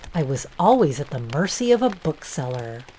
" I was always at the mercy of a bookseller."